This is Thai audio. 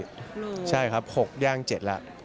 ใช่ครับ๖ย่าง๗แล้ว